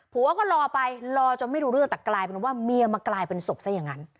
ผัวก็รอไปรอจนไม่รู้เรื่องแต่กลายเป็นว่าเมียมากลายเป็นศพซะอย่างนั้น